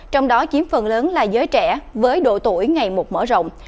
trong đó chiếm phần lớn là giới trẻ với độ tuổi ngày một mở rộng